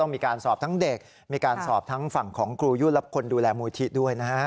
มีการสอบทั้งเด็กมีการสอบทั้งฝั่งของครูยุ่นและคนดูแลมูลที่ด้วยนะฮะ